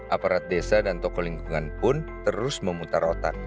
aparat desa dan tokoh lingkungan pun terus memusnahkan